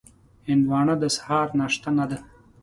هندوانه د سهار ناشته نه ده.